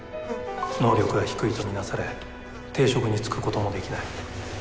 能力が低いと見なされ定職に就くこともできない。